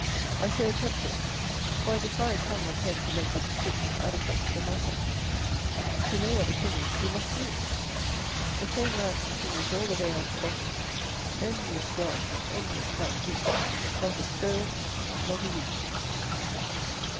I say attempted; for I defy tongue or pen to make the description adequate to the matter: to know what the thing is, you must see it. The same land continues all the way on to Boston: endless grass and endless fat sheep; not a stone, not a weed.